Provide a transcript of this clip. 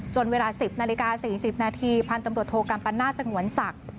จนเวลา๑๐นาฬิกา๔๐นาทีพันตำรวจโทรกรรมปันหน้าจังหวนศักดิ์